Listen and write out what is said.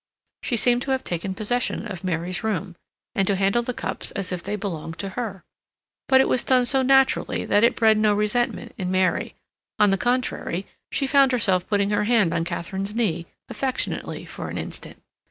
She seemed to have taken possession of Mary's room, and to handle the cups as if they belonged to her. But it was done so naturally that it bred no resentment in Mary; on the contrary, she found herself putting her hand on Katharine's knee, affectionately, for an instant.